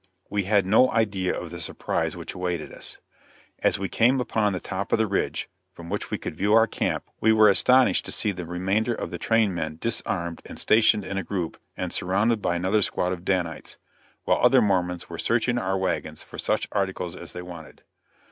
We had no idea of the surprise which awaited us. As we came upon the top of the ridge, from which we could view our camp, we were astonished to see the remainder of the train men disarmed and stationed in a group and surrounded by another squad of Danites, while other Mormons were searching our wagons for such articles as they wanted.